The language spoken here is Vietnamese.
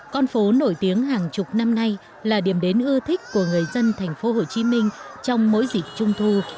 con phố nổi tiếng hàng chục năm nay là điểm đến ưa thích của người dân thành phố hồ chí minh trong mỗi dịp trung thu